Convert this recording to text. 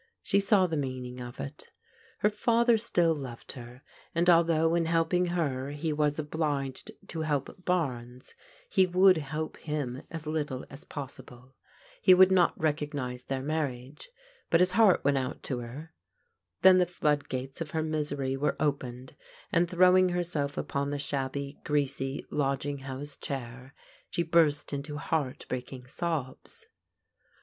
She saw the mean ing of it. Her father still loved her, and although in helping her he was obliged to help Barnes, he would help him as little as possible. He would not recognize their marriage, but his heart went out to her. Then the flood gates of her misery were opened, and throwing herself upon the shabby, greasy lodging house chair, she burst into heart breaking sobs.